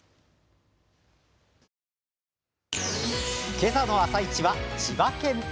今朝の「あさイチ」は千葉県。